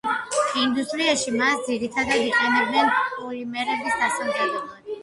ინდუსტრიაში მას ძირითადათ იყენებენ პოლიმერების დასამზადებლად.